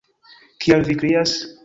Kial vi krias?